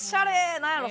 なんやろ？